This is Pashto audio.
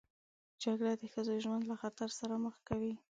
جګړه د ښځو ژوند له خطر سره مخ کوي